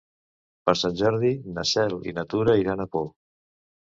Per Sant Jordi na Cel i na Tura iran a Pau.